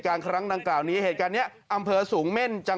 ไปไกลหน่อยแล้วกันนะฮะ